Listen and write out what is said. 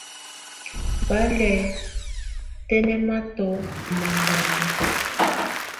Bà lɛ̀ tɛnɛ̀matɔ̀ ù màgamɔ̀.